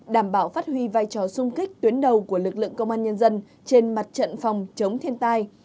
đảm bảo phát huy vai trò sung kích tuyến đầu của lực lượng công an nhân dân trên mặt trận phòng chống thiên tai